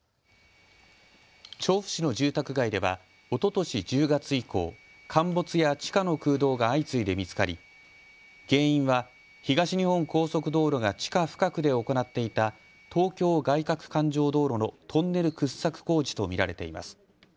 調布市の住宅街ではおととし１０月以降、陥没や地下の空洞が相次いで見つかり原因は東日本高速道路が地下深くで行っていた東京外かく環状道路のトンネル掘削工事と見られています。